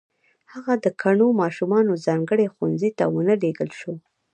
هغه د کڼو ماشومانو ځانګړي ښوونځي ته و نه لېږل شو